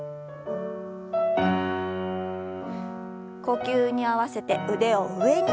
呼吸に合わせて腕を上に。